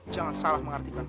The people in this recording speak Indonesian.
jangan salah mengertikan